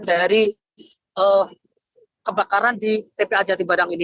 dari kebakaran di tpa jati barang ini